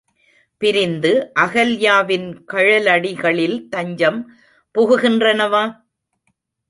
பிரிந்து அகல்யாவின் கழலடிகளில் தஞ்சம் புகுகின்றனவா?